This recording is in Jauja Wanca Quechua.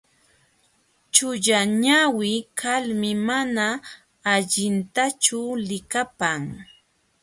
Chullañawi kalmi mana allintachu likapan.